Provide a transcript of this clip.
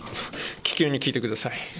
気球に聞いてください。